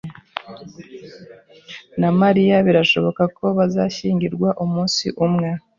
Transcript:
na Mariya birashoboka ko bazashyingirwa umunsi umwe.